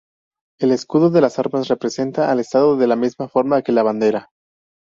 El escudo de armas representa al Estado de la misma forma que la bandera.